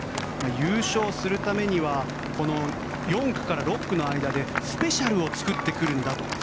優勝するためには４区から６区の間でスペシャルを作ってくるんだと。